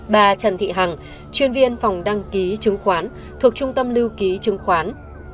bà trần thị hằng chuyên viên phòng đăng ký chứng khoán thuộc trung tâm lưu ký chứng khoán